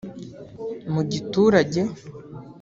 Mu giturage